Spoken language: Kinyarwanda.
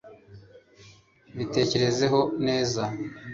bitekerezeho neza